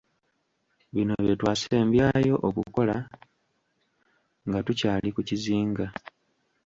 Bino bye twasembyayo okukola nga tukyali ku kizinga.